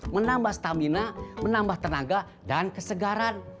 menambah stamina menambah tenaga dan kesegaran